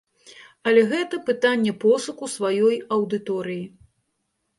Але гэта пытанне пошуку сваёй аўдыторыі.